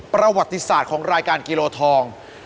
ประวัติศาสตร์ของรายการกิโลทอง